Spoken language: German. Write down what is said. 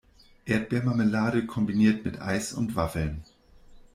Erdbeermarmelade kombiniert mit Eis und Waffeln.